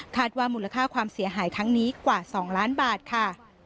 ว่ามูลค่าความเสียหายครั้งนี้กว่า๒ล้านบาทค่ะ